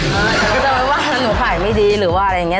ถ้าหนูขายไม่ดีหรือว่าอะไรอย่างนี้